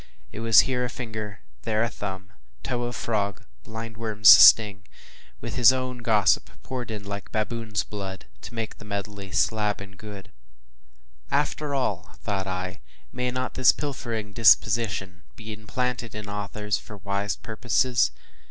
It was here a finger and there a thumb, toe of frog and blind worm’s sting, with his own gossip poured in like “baboon’s blood,” to make the medley “slab and good.” After all, thought I, may not this pilfering disposition be implanted in authors for wise purposes?